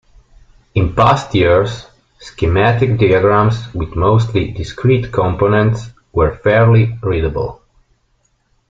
In past years, schematic diagrams with mostly discrete components were fairly readable.